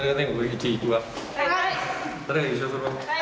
はい！